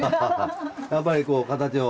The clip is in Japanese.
やっぱりこう形を。